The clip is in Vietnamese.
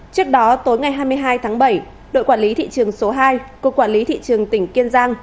trước đó tối ngày hai mươi hai tháng bảy đội quản lý thị trường số hai cục quản lý thị trường tỉnh kiên giang